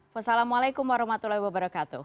wassalamualaikum warahmatullahi wabarakatuh